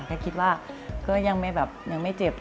ก็คิดว่าก็ยังไม่เจ็บ